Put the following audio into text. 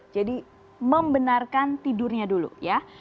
membenarkan tidurnya dulu ya